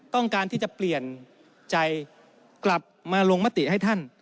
ต้องการที่จะเปลี่ยนใจกลับมาลงมติให้ท่าน